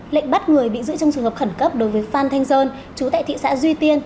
lệnh bắt người bị giữ trong trường hợp khẩn cấp đối với phan thanh sơn chú tại thị xã duy tiên